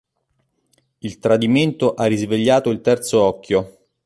Il tradimento ha risvegliato il Terzo Occhio.